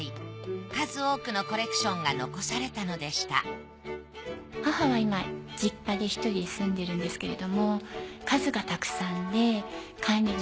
数多くのコレクションが遺されたのでした母は今実家で１人で住んでるんですけれども。